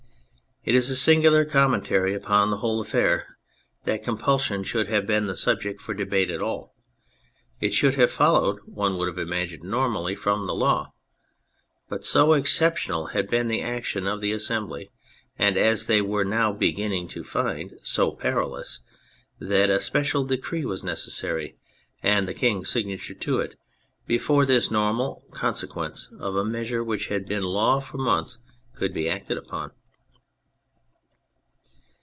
It is a singular commentary upon the whole affair that compulsion should have been the subject for debate at all. It should have followed, one would have imagined, normally from the law. But so exceptional had been the action of the Assembly and, as they now were beginning to find, so perilous, that a special decree was necessary — and the King's signature to it — before this normal conse quence of a measure which had been law for months, could be acted upon.